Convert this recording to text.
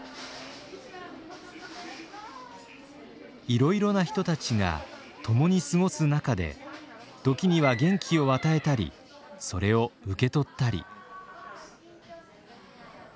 いろいろな人たちが共に過ごす中で時には元気を与えたりそれを受け取ったり。